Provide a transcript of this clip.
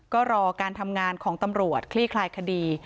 ก็รอการทำงานของตำรวจคลี่คลายคดี